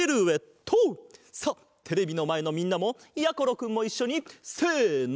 さあテレビのまえのみんなもやころくんもいっしょにせの。